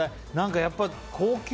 やっぱり高級。